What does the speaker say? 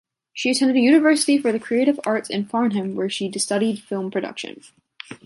She attended University for the Creative Arts in Farnham where she studied Film Production.